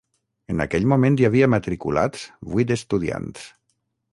En aquell moment hi havia matriculats vuit estudiants.